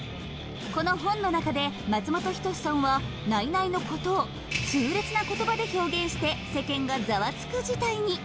この本の中で松本人志さんはナイナイのことを痛烈な言葉で表現して世間がざわつく事態に。